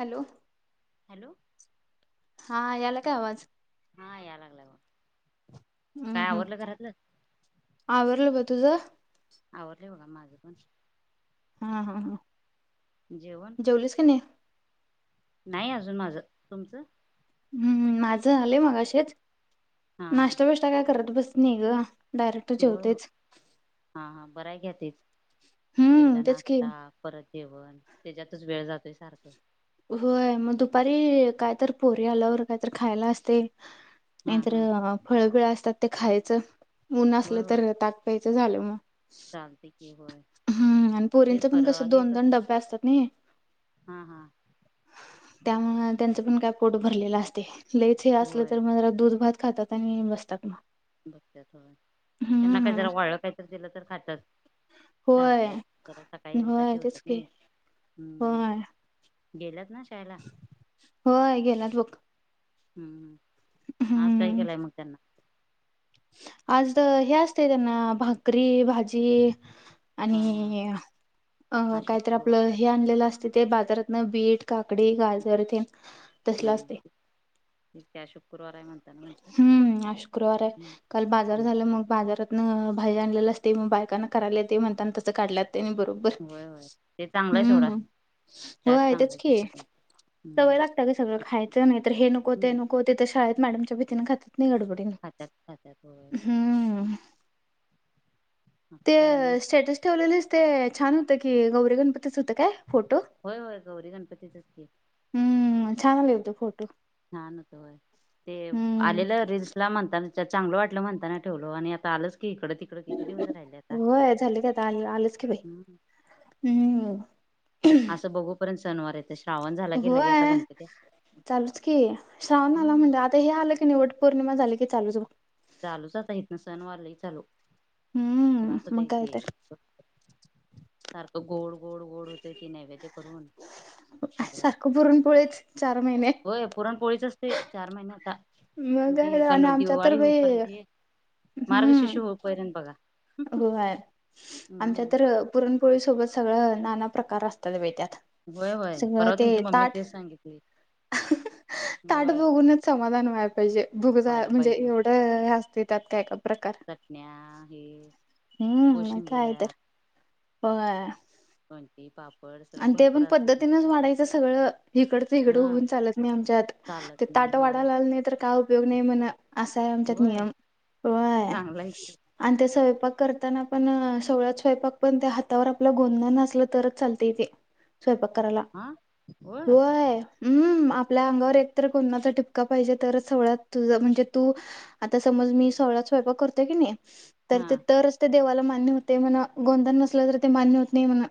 Hello. Hello. हा याला काय आवाज? हा याय लागलाय. हम् हम्म आवरला बघ तुझं. आवरले बघा माझे पण हा हा ह. जेवण नाही अजून माझ तुमचं. हम्म माझं झालंय मगाशीच हा हा नाश्ता विष्टा काय करत बस नाही ग. डायरेक्ट होय जेवतेच हां हां बरा घ्या तेच हम्म एकदा तेच की नाश्ता परत जेवण त्याच्यातच वेळ जातोय सारखं. होय मग दुपारी कायतर पोरी आल्यावर कायतर खायला असते. हा नाहीतर हा फळबीळ असतात ते खायचं ऊन होय असलं होय तर ताक पीयाच झालं मग. चालते की होय हम्म आणि तेच पुरींच पण कस बरं हे दोन दोन डबे असतात ना. हा हा. त्यामुळ त्यांचं पण काय पोट भरलेलं असते लयच हे असलं होय तर मग जरा दूध भात खातात. बसतात मग. बघततथ त्यांना काही हम्म जरा वाळ काहीत दिलं तर खात्यात. होय, चालते त्याला सकाळी एकदा होय तेच जेवतच की नाही हम्म होय, गेलंत ना शाला होय गेलात बघ हम्म आज काय हम्म. केलंय मग त्यांना आज हे असते त्यांना भाकरी भाजी हा हा आणि अ आज कायत शुक्रवार आपलं हे आणलेलं असते ते बाजारातन बीट काकडी गाजर येथे तसला हम्म असते त्या शुक्रवाराय म्हणताना म्हण हम्म शुक्रवार आहे काल बाजार झाला मग बाजारात भाई आणलेलं असते बायकांना करायला ते म्हणताना तसं काढलंत त्यांनी बरोबर होय होय ते चांगलंय सोडा हम् व चाट आहे तेच चांगलं की केलं हम्म. सवय लागते सगळ खायचं नाही तर हे नको ते नको ते तर शाळेत मॅडमच्या भीतीनें खात नाही गडबड खात्यात खात्यात होय हम्म आता ते काय आणि स्टेटस ठेवलेलेस ते छान होतं की गौरी गणपतीच होतं काय फोटो होय होय गौरी गणपतीचचते हम्म छान ल यतो फोटो छान होतय ते हम्म आलेलं रजिस्ट ला म्हणताना चांगलं वाटलं म्हणताना ठेवलं आणि आता आलंच की इकडे हो झाले का आता आलंच की बाई हम् अस बघूपर्यंत सनवार आहे होय चालूच की श्रावण आला हम्म. म्हणजे आता तर हे आलं की निवड पौर्णिमा झा क लूच चालूचच आहेतत ना सण वाारलाही चालू हम्म भास होत मग इ काय तेे तर फक् सारखं गोड गोड गोड होत ती नैवेद्य करून सगळं सारखं पुरणपोळीच चार महिने होय पुरणपोळीच असते चार महिने आता मग जे काय आणि आमच्या तर दिवाळी हो बाई य ये मार्गशिशू हो पर्यंत बघा हो आहे, आमच्यात हम्म तर पुरणपोळी सोबत सगळं नाना प्रकार असतात बाई त्यात. होय होय, सगळं परवा ते तुमची मम्मी ताट तेच सांगितली. ताट होय बघुनच समाधान व्हाय पाहिजे भुक जा व्हायला म्हणजे पाहिजे होय एवढं हे असते त्यात काय काय प्रकार. चटण्या हे. हम्म, म कोशिंबिऱ्या कायतर होय. कोणती पापड सगळं आणि ते भरपूर पण असते पद्धतीनेच तुमचं वाढायचं सगळं, हिकडच हिकडं हा होऊन चालत नाही आमच्यात. चालत ते नाही ताट होय वाढायला आले नाही तर काय उपयोग नाही म्हणा, असा आहे आमच्यात नियम. होय चांगल आहे की. आणि ते स्वयपाक करताना पण सवळ्यात स्वयपाक पण त्या हातावर आपल गोंदण असलं तरच चाल ते येते स्वयपाक करायला, हा होय. हम्म आपल्या अंगावर एकतर गोंदनाचा ठिपका पाहिजे तरच सवळ्यात तुझं म्हणजे तू आता समज मी सोवळ्यात स्वयपाक करतोय की नाही. तर हा ते तरच ते देवाला मान्य होतंय म्हणा, गोंदन नसलं तर ते मान्य होत नाही म्हणा.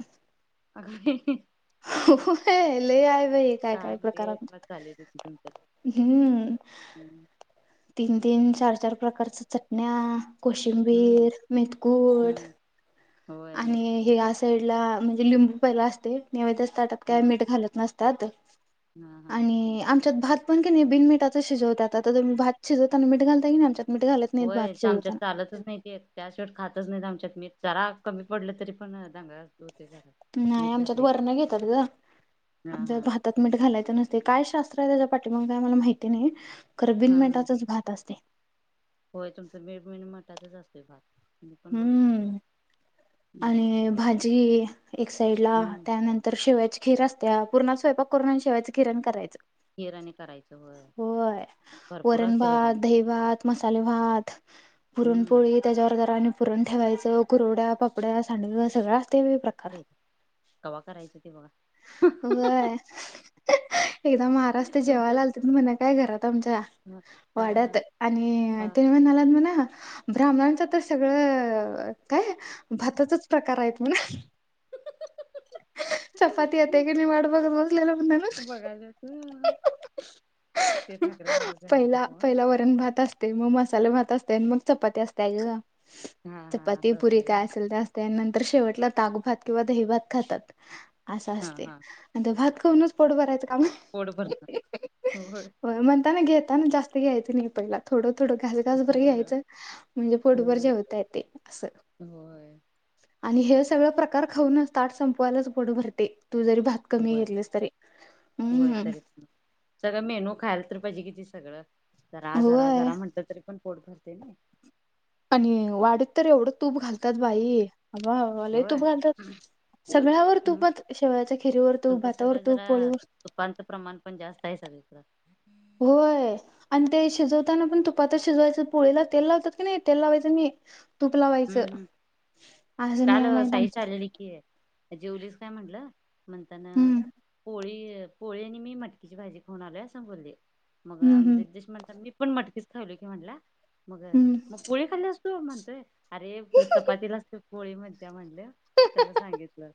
अगदी. होय लई आहे बाई काय काय प्रकार लय आमच्या चालेल तुमच्यात हम्म. हम्म तीन तीन, चार चार प्रकारच्या चटण्या, हम्म कोशिंबीर, मेथकूट. हम्म होय आणि माहिती हे या साईडला म्हणजे लिंबू पहिला असते, नैवेद्यच्या ताटात काय हम्म मीठ घालत नस तात हा हा आणि आमच्यात भात पण की नाही बिन मीठाच शिजवतात आता तुम्ही भात शिजवताना मीठ घालताय की नाही? आमच्यात मीठ घालत नाहीत होय, भात त आमच्यात शिजवताना चालतच नाही ते. त्या शेवट खातच नाहीत आमच्यात मीठ जरा कमी पडलं तरी पण दंगा असतो. नाही आमच्यात वरणं घेतात ग हा आमच्यात हा भात त्यात मीठ घालायच नसते काय शास्त्र आहे त्याच्या पाठीमाग काय मला माहिती नाही खर हा बिन हा मिठाचच भात असतय होय तुमचं बीन मीठाचच असतंय भात मी पण बघितलंय सोडा हम्म हम्म आणि भाजी एक साइडला त्यानं तर शेवयाची खीर असतेया, पुरणाचा स्वयपाक करून आणि शेवायची खीर अन करायचं खीर आणि करायच होय वरण बघ तुम भात, दही भात, मसाले भात, हम्म पुरणपोळी त्याच्यावर जरा आणि पुरण ठेवायचं कुरवड्या, पापड्या, सांडव सगळं आसतंय बाई प्रक बाई कव्हा करायचं ते बघा होय, एकदा महाराज तर तुमच्यात जेवायला आलतेत म्हणा काय घरात आमच्या हा हा वाड्यात हा आणि हा. ते म्हणालन म्हण ब्राह्मणांच तर सगळं काय? भाताचच प्रकार आहेत म्हण चपाती येते की नाही वाट बघत बसलेलो म्हणायलेत बघायला ते ठाकरे महाराज तेन आलतेत नव्ह पहिला वरण भात असते मग मसाले भात असते आणि मग चपाती असते आहे ग हा हा चपाती असं पुरी असते काय होय असेल ते असलं त्यानंतर शेवटला ताकभात किंवा दहीभात खातात असं हा असतय हा मग भात खाऊनच पोट भरायचं काय पोट भरणार. आहे होय म्हणताना घेताना जास्त ते घ्यायच नाही पहिला थोडं, थोडं घास घासभर जरा जरा घ्यायचं म्हणजे पोटभर हा जेवताय ते असं होय आणि हे सगळ प्रकार खाऊनच ताट संपवायलाच पोट भरतंय तू जरी भात कमी होय घेतलीस तरी होय हम्म तरी पण सगळं मेनू खायला तर पाहिजे की ती सगळं, जरा, जरा, होय जरा म्हणट तरी पण पोट भरतय नाही आणि वाडीत तर एवढं तूप घालतात बाई अबाबा लई होय. तूप घाल्यात हम्म. सगळ्यावर हम्म तुपच शेवयाच्या खिरीवर तुप, भातावर तुप, पोळीवर तुपांच प्रमाण पण जास्त आहे सगळीकड होय आणि ते शिजवताना पण तुपातच शिजवायचं पोळीला तेल लावतात की नाही, तेल लावायचं नही तुप हम्म लावायचं, हम्म. असे काल नियम आहेत साईश आमच्यात की जेवलीस काय म्हटलं म्हणताना हम्म पोळी पोळी आणि मी मटकीची भाजी खाऊन आलोय असं सांगायलती मग हम्म हम्म रिद्धेश म्हणाला मी पण मटकीच खायालोय की म्हणला मग हम्म मग पोळी खाल्ल्यास तू म्हणतोय अरे चपातीलाच तर पोळी म्हणत्या म्हणल त्याला सांगितलं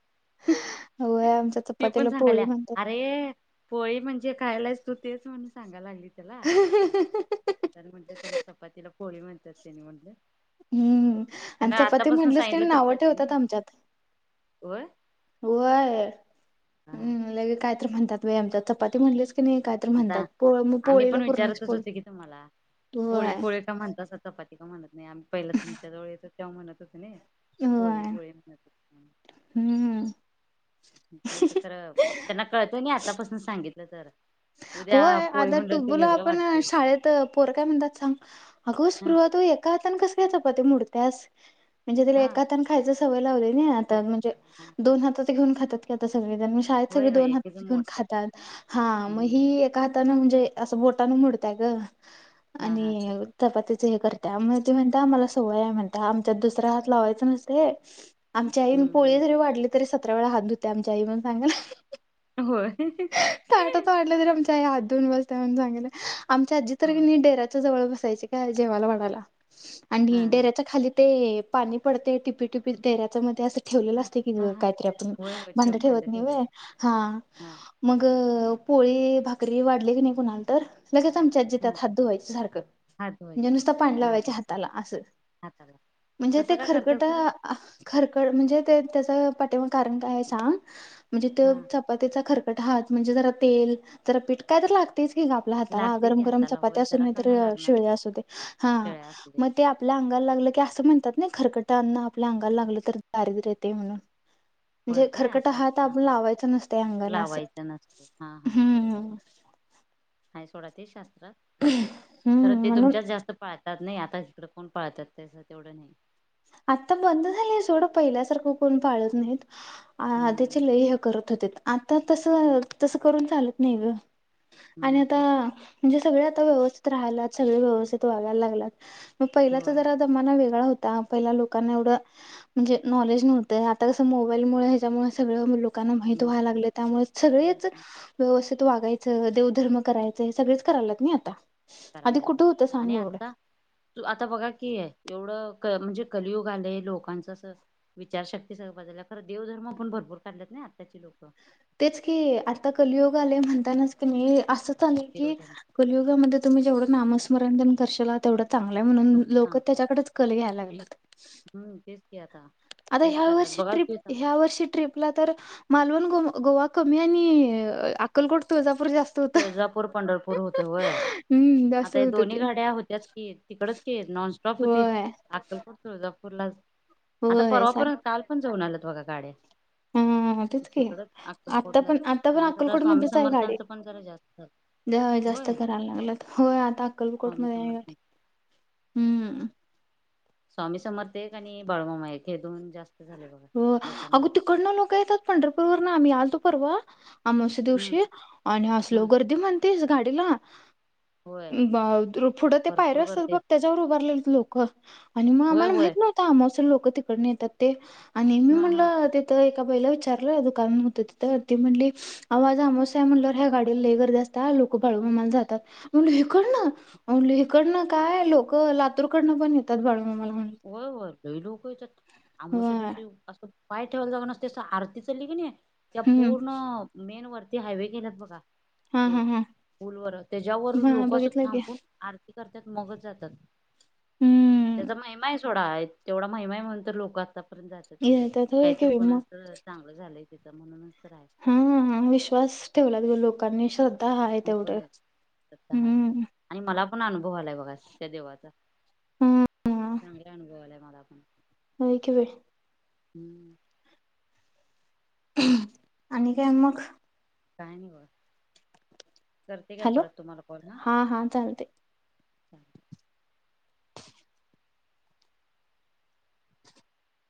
होय आमच्या ती पण चपातीला पोळी सांगाल्या म्हणतात अरे पोळी म्हणजे खायालायस तू तेच म्हणून सांगा लागली त्याला तर म्हटलं त्याला चपातीला पोळी म्हणत्यात तेनी म्हटलं हम्म आणि त्यांना चपाती आतापासून म्हटलीस की सांगितलं तर नाव कळते ठेवतात ना आमच्यात होय. होय हा ह लगे काय काय तर म्हणत्यात बाई आमच्यात चपाती म्हणलीस कनी काय त आता आम्ही पण विचारतच होते की तुम्हाला पोळी होय पोळी का म्हणतासा चपाती का म्हणत नाही आम्ही पहिला तुमच्या जवळ येत तेव्हा म्हणत होतो नइ पोळी, होय पोळी म्हणत हम्म ते तर खरं त्यांना कळतय नाही आतापासून सांगितलं तर उद्या होय पोळी आता म्हणल्यावर ते टुब्बूला वेगळं आपण वाटतंय शाळेत पोर काय म्हणतात सांग अगो हा स्पृहा तू एका हातने कस काय चपाती मोडत्यास म्हणजे तिला हा एका हातन खायच सवय लावलय चपाती नय झाली हा हा दोन हातात घेऊन खातात सगळेजण शाळेत होय सगळे होय दोन एकीच हातात घेऊन मोडतात खात्यात हा म हम्म ती एका हातानं म्हणजे असं बोटानं मोडत्या ग हा हा आणि तेच चपातीच हे करत्या मग ती म्हणत्या आम्हाला सवय आहे म्हणत्या आमच्यात दुसरा हात लावायचं नसतय. आमच्या आईन हम्म पोळी हम्म जरी वाढली तरी सतरा वेळा हात धुत्या आमच्या आई म्हणून सांगल्या. होय ताटात वाढलं तरी आमच्या आई हात धुवून बसत्या म्हणून सांगल्या आमच्या आजी तर होय कनी डेअ आमच्या जवळ बसायची काय जेवायला वाढायला हा आणि हा डेऱ्याच्या खाली ते पाणी पडतय टिपी टिपी डेऱ्याच मग ते असं ठेवलेलं हा असतं की हा ग हा काहीतरी आपण होय होय भांड ठेव ठेवत नाही होय ठेवलेलं हा हा मग पोळी भाकरी वाढली की नाही कुणाला तर लगेच आमची आजी हा त्यात हात धुवायचं सारखं हात म्हणजे धुवायचं नुसतं पाणी हा लावायची हा हाताला असं हाताला म्हणजे ते तसं का करतात खरकट खरं खरकट म्हणजे ते त्याच पाठिमाग कारण काय आहे सांग म्हणजे ते हा चपातीचा खरकट हात म्हणजे जरा तेल जरा पीठ काय तर लागतं तेच कि ग आपल्या हाताला लागते गरम की गरम हाताला चपाती होय असू जरा का नाही लागणार शिळी की असं दे हा शेळ्या असू दे मग ते आपल्या अंगाला लागलं की असं म्हणतात ना खरकट अन्न आपल्या अंगाला लागलं तर दारिद्र येते म्हणून होय म्हणजे काय खरकटा असं आहे हात हा आपण हा लावायचा नसतं या अंगाला असं लावायचं हा हा बरोबर आहे हम्म का सोडात शास्त्र तर हम्म ते म्हणून तुमच्याच जास्त पाळतात नाही आता तिकडं कोण पाळतात त्यास तेवढं नाही. आत्ता बंद झालीय सोडं पहिल्यासारखं कोण पाळत नाहीत. हम्म आधिची लय हे करत होतीत आता हम्म तसं तसं करून चालत नाही ग. आणि हम्म, आता तेच की. म्हणजे सगळे आता व्यवस्थित राह्याल्यात सगळे व्यवस्थित वागयला लागल्यात. मग पहिलाच होय जरा जमना वेगळा होता. पहिला लोकांना एवढं म्हणजे नॉलेज नव्हतं आता कसं मोबाईलमुळे ह्याच्यामुळे सगळं लोकांना माहीत व्हायला नॉलेज लागलंय त्यामुळे सगळीच व्यवस्थित वागायचं देवधर्म करायचं हे सगळीच करायल्यात नाई आता. आधी करायला कुठे तेवढं होत सांग आणि एवढं आता तू आता बघा क आहे एवढं म्हणजे कलियुग आलंय लोकांच असं विचारशक्ती सगळं बाजूला खरं देवधर्म पण भरपूर काढल्यात नाही आत्ताची लोकं तेच की आता कलियुग आलय म्हणतानाच कनी असं चाललय की देवधर्म कलीयुगामध्ये तुम्ही जेवढं नामस्मरण येन करशिला तेवढं चांगलंय म्हणून लोक सांगतात त्याच्याकडेच कल घ्यायला लागल्यात हम्म तेच की आता आता तेच ह्या करतात वर्षी बघा ट्रिप की आता ह्या वर्षी ट्रिप आपला तर मालवण गोवा कमी आणि अक्कलकोट तुळजापूर जास्त होत. तुळजापूर पंढरपूर होते होय हम्म जास्त आता या होत दोन्ही ते गाड्या होत्याच की तिकडंच की नॉनस्टॉप होती. होय अक्कलकोट तुळजापूरला आता होय परवा सार पण काल पण जाऊन आलंत बघा गाड्या हम्म तेच की तिकडच आता अक्कलकोटलाच पण आता पण आणि जरा अक्कलकोट स्वामी मधच आहे गाडी समर्थांचं पण जरा जास्त झालं होय जास्त करायला लागलं तर होय आता अक्कलकोट स्वामी मध्ये गाडी समर्थांच आहे. हम्म स्वामी समर्थ एक आणि बाळुमामा एक हे दोन जास्त झाले बघ हो अग तिकडनं लोक येतात पंढरपूर वर ना आम्ही यालतो परवा अमावास्या हम्म दिवशी आणि असलो हा गर्दी म्हणतेस गाडीला होय पुढं ते पायरे भरपूर असतात गर्दी बघ त्याच्यावर उभारले लोक आणि मग होय आम्हाला होय माहित नव्हतं अमोशाला लोक तिकडं येतात ते आणि मी हा हा म्हटलं तर एका बाईला विचारल दुकान होत तिथं ती म्हणली होती ते आव आज अमावास्या आहे म्हणलं ह्या गाडी लय गर्दी जास्त लोक बाळूमाला जातात मी म्हणटल इकडं न म्हणटली इकडनं काय लोक लातूरकडनं पण येतात बाळूमामा म्हणली होय लय लोक येतात अमावास्या होय दिवशी असं पाय ठेवायला जाग नसतेसं आरती चालली की नाही त्या हम्म पूर्ण मेन वरती हायवे गेलात बघा हा ते हा हा पुलावर त्याच्यावर हा लोक असं बघितलं की थांबून आरती करतात मगच जातात हम्म त्याचा [inaudible] तेवढा महिमा आहे म्हणून तर लोक आत्तापर्यंत जातात त्याच येतात होय काहीत की कोणा मग अस चांगलं झालंय तिथं म्हणूनच तर आहे हा विश्वास ठेवला त लोकांनी श्रद्धा हा आहे तेवढं होय श्रद्धा हाय. हम्म आणि मला पण अनुभव आलाय बघा त्या देवाचा हम्म चांगला अनुभवलाय मला पण होऐ कवे हम्म आणि काय मग काय नाही बघ करते का हॅलो परत तुम्हाला कॉल हा हा चालतय. ह [unintelligible]